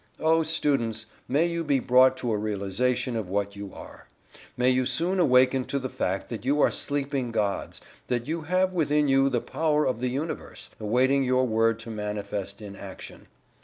Oh, students, may you be brought to a realization of what you are. May you soon awaken to the fact that you are sleeping gods that you have within you the power of the Universe, awaiting your word to manifest in action.